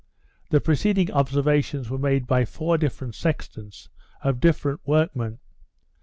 The preceding observations were made by four different sextants, of different workmen.